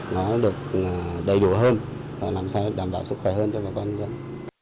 nó được đầy đủ hơn làm sao đảm bảo sức khỏe hơn cho bà con dân